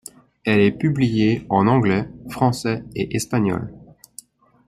Elle est publiée en anglais, français et espagnol.